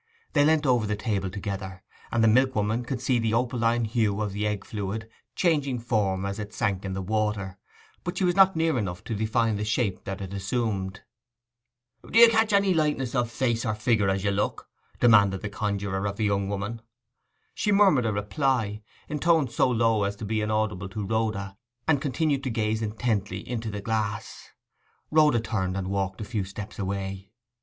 They leant over the table together, and the milkwoman could see the opaline hue of the egg fluid changing form as it sank in the water, but she was not near enough to define the shape that it assumed. 'Do you catch the likeness of any face or figure as you look?' demanded the conjuror of the young woman. She murmured a reply, in tones so low as to be inaudible to Rhoda, and continued to gaze intently into the glass. Rhoda turned, and walked a few steps away.